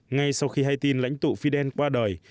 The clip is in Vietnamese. ngay sau khi hai tin lãnh tụ fidel qua đời